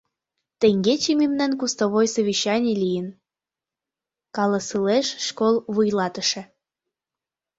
— Теҥгече мемнан кустовой совещаний лийын, — каласылеш школ вуйлатыше.